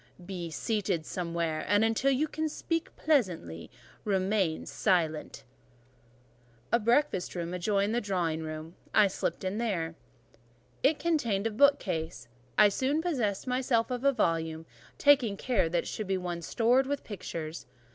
Be seated somewhere; and until you can speak pleasantly, remain silent." A breakfast room adjoined the drawing room, I slipped in there. It contained a bookcase: I soon possessed myself of a volume, taking care that it should be one stored with pictures.